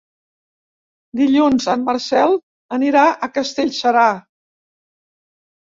Dilluns en Marcel anirà a Castellserà.